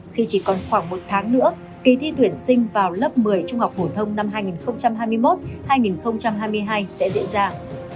khi chỉ còn khoảng một tháng nữa kỳ thi tuyển sinh vào lớp một mươi trung học phổ thông năm hai nghìn hai mươi một hai nghìn hai mươi hai sẽ diễn ra